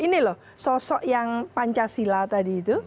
ini loh sosok yang pancasila tadi itu